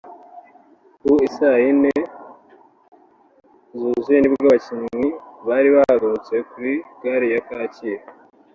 Ku i saa yine zuzuye ni bwo abakinnyi bari bahagurutse kuri gare ya Kacyiru